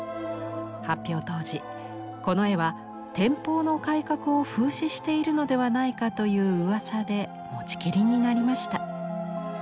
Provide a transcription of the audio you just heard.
発表当時この絵は天保の改革を風刺しているのではないかといううわさで持ちきりになりました。